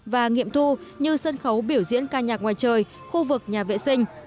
và nghiệm thu như sân khấu biểu diễn ca nhạc ngoài trời khu vực nhà vệ sinh